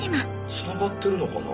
つながってるのかな？